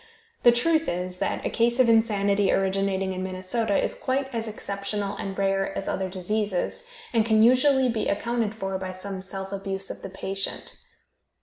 The truth is that a case of insanity originating in Minnesota is quite as exceptional and rare as other diseases, and can usually be accounted for by some self abuse of the patient.